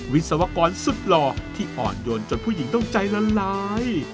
วิศวกรสุดหล่อที่อ่อนโยนจนผู้หญิงต้องใจละลาย